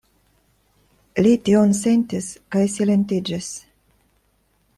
Li tion sentis kaj silentiĝis.